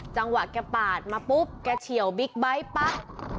จังหวะแกปาดมาปุ๊บแกเฉียวบิ๊กไบท์ปั๊บ